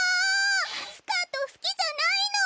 スカートすきじゃないの！